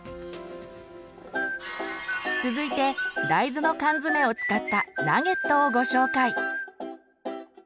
続いて大豆の缶詰を使ったナゲットをご紹介。